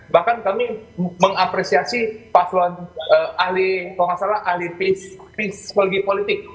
bahkan kami mengapresiasi paslon ahli kalau nggak salah ahli psikologi politik